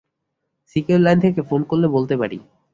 Secure line থেকে phone করলে বলতে পারি।